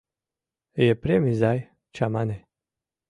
— Епрем изай, чамане.